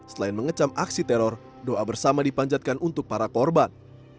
selain mengecam aksi teror doa bersama dipanjatkan untuk para korban